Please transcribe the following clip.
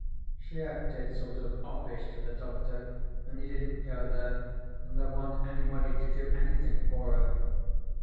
She acted sort of offish to the Doctor and he didn't go there, and there wa'n't anybody to do anythin' for her.